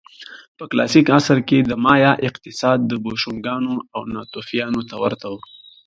په کلاسیک عصر کې د مایا اقتصاد بوشونګانو او ناتوفیانو ته ورته و